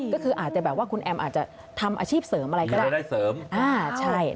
ก็คืออาจจะแบบว่าคุณแอ้มอาจจะทำอาชีพเสริมอะไรก็ได้